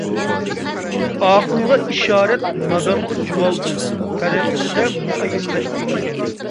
ئاقىلغا ئىشارەت نادانغا جۇۋالدۇرۇز تەرىقىسىدە مۇئەييەنلەشتۈرۈلگەن.